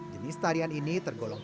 jenis tarian ini tergolong